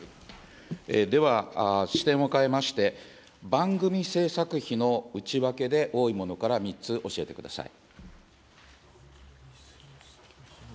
では、視点を変えまして、番組制作費の内訳で、多いものから３つ教えてください。